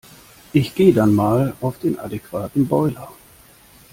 Ich geh' dann mal auf den adequaten Boiler.